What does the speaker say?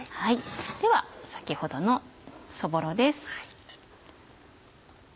では先ほどのそぼろです。